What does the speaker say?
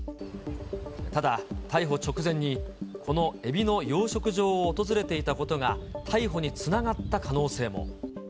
ただ、逮捕直前にこのエビの養殖場を訪れていたことが、逮捕につながった可能性も。